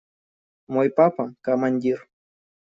Мой папа – командир.